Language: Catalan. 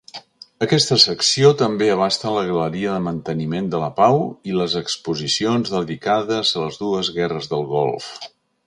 Aquesta secció també abasta la Galeria de manteniment de la pau i les exposicions dedicades a les dues guerres del Golf.